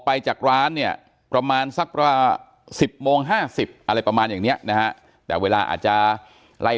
ไปจากร้านเนี่ยประมาณสักประมาณ๑๐โมง๕๐อะไรประมาณอย่างเนี้ยนะฮะแต่เวลาอาจจะไล่